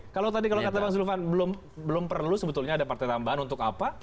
kalau tadi kalau kata bang zulfan belum perlu sebetulnya ada partai tambahan untuk apa